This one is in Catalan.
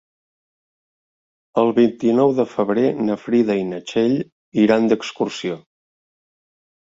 El vint-i-nou de febrer na Frida i na Txell iran d'excursió.